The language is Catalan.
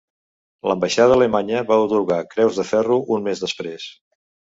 L'ambaixada alemanya va atorgar Creus de Ferro un mes després.